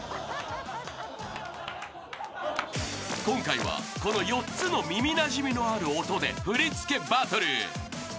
［今回はこの４つの耳なじみのある音で振り付けバトル］